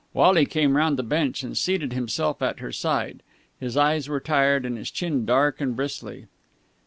Wally came round the bench and seated himself at her side. His eyes were tired, and his chin dark and bristly.